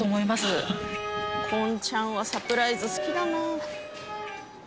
コンちゃんはサプライズ好きだなあ。